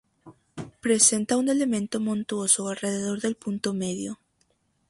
Presenta un elemento montuoso alrededor del punto medio.